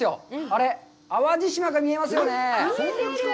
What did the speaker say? あれ、淡路島が見えますよね。